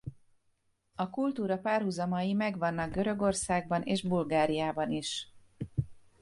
A kultúra párhuzamai megvannak Görögországban és Bulgáriában is.